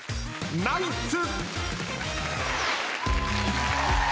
ナイツ。